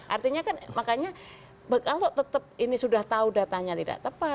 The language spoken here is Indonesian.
artinya kan makanya kalau tetap ini sudah tahu datanya tidak tepat